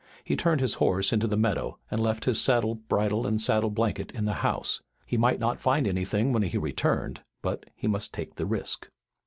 He turned his horse into the meadow and left his saddle, bridle and saddle blanket in the house. He might not find anything when he returned, but he must take the risk.